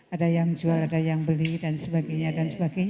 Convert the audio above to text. ada yang jual ada yang beli dan sebagainya dan sebagainya